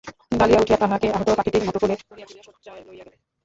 দালিয়া উঠিয়া তাহাকে আহত পাখিটির মতো কোলে করিয়া তুলিয়া শয্যায় লইয়া গেল।